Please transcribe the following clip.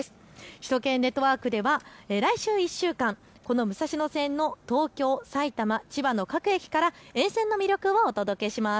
首都圏ネットワークでは来週１週間、この武蔵野線の東京、埼玉、千葉の各駅から沿線の魅力をお届けします。